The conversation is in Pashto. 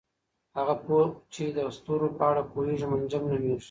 هغه پوه چې د ستورو په اړه پوهیږي منجم نومیږي.